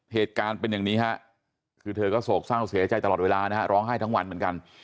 เหตุการณ์เป็นอย่างนี้ฮะคือเธอก็โศกเศร้าเสียใจตลอดเวลานะฮะร้องไห้ทั้งวันเหมือนกัน